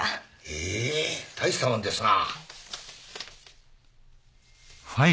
ええ大したもんですな。